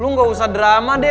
lu gak usah drama deh